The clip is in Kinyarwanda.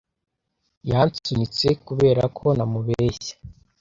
Yansunitse kubera ko namubeshye.